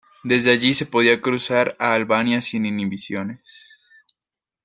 Desde allí, se podía cruzar a Albania sin inhibiciones.